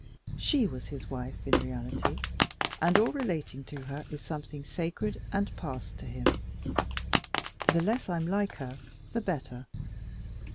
She was his wife in reality, and all relating to her is something sacred and past to him. The less I am like her, the better.